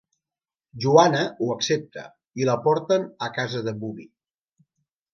Joanna ho accepta, i la porten a casa de Bobbie.